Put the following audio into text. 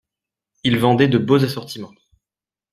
Ils vendaient de beaux assortiments.